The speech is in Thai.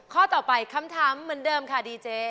ข้อต่อไปคำถามเหมือนเดิมค่ะดีเจ